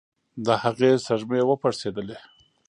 د هغې سږمې وپړسېدلې.